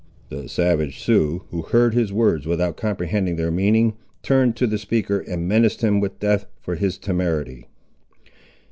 The savage Sioux, who heard his words without comprehending their meaning, turned to the speaker and menaced him with death, for his temerity.